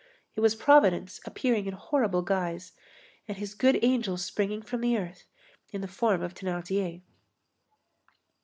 It was Providence appearing in horrible guise, and his good angel springing from the earth in the form of Thénardier.